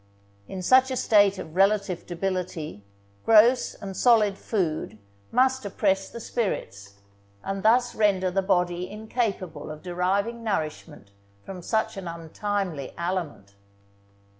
In such a state of relative debility, gross and solid food must oppress the spirits, and thus render the body incapable of deriving nourishment from such an untimely aliment.